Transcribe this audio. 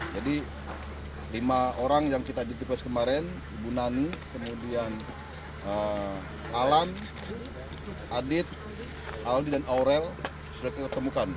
jadi lima orang yang kita identifikasi kemarin ibu nani kemudian alan adit aldi dan aurel sudah kita ketemukan